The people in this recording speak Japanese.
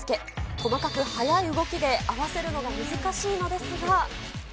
細かく速い動きで、合わせるのが難しいのですが。